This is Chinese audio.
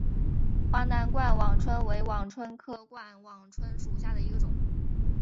华南冠网椿为网蝽科冠网蝽属下的一个种。